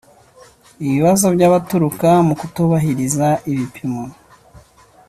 ibibazo byaturuka mu kutubahiriza ibipimo